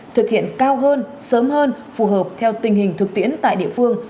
thực hiện cao hơn sớm hơn phù hợp theo tình hình thực tiễn tại địa phương